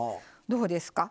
どうですか？